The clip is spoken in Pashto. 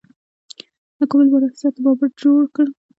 د کابل بالا حصار د بابر جوړ کړ